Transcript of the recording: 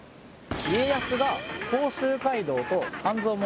家康が甲州街道と半蔵門